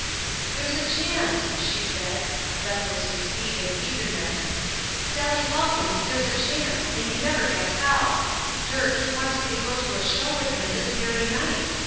"There's a chance!" she said, breathless with speed and eagerness; "Sallie Calkins, there's a chance, and you'd never guess how. Dirk he wants me to go to a show with him this very night!